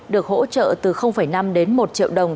được hỗ trợ từ năm đến một triệu đồng